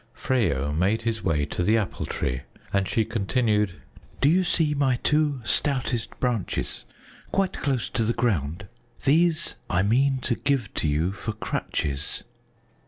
Freyo made his way to the Apple Tree, and she continued: "Do you see my two stoutest branches quite close to the ground? These I mean to give you for crutches."